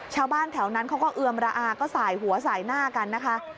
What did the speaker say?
ชาวบ้านแถวนั้นเขาก็เอือมระอาก็สายหัวสายหน้ากันนะคะ